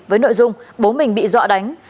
với nội dung bố mình bị dọa đánh